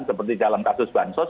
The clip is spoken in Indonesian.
seperti dalam kasus bansos